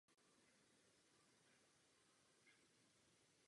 Záhy po příjezdu do Afriky ale onemocněl a několik měsíců se léčil.